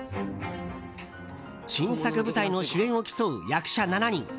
新作舞台の主演を競う役者７人。